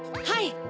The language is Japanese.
はい！